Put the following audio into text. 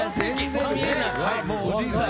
もうおじいさん！